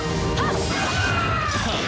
ハッ。